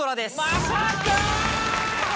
まさか！